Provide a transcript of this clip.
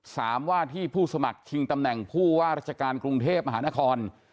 ว่าที่ผู้สมัครชิงตำแหน่งผู้ว่าราชการกรุงเทพมหานคร